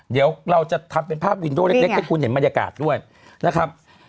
เดี๋ยวเราจะทำเป็นภาพวินโดเล็กให้คุณเห็นบรรยากาศด้วยนะครับ